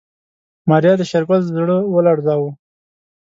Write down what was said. ماريا د شېرګل زړه ولړزاوه.